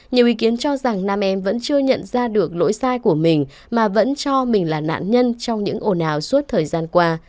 nhiều ý kiến cho rằng nam em vẫn chưa nhận ra được lỗi sai của mình mà vẫn cho mình là nạn nhân trong những ồn ào suốt thời gian qua